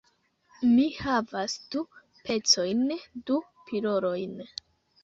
Mi havas du pecojn. Du pilolojn.